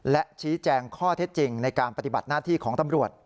และชี้แจงข้อเท็จจริงในการปฏิบัติหน้าที่ของตำรวจ